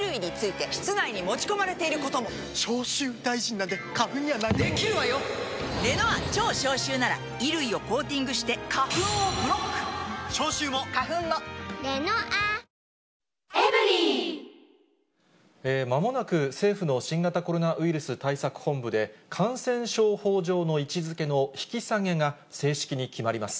だからまあ、まもなく政府の新型コロナウイルス対策本部で、感染症法上の位置づけの引き下げが正式に決まります。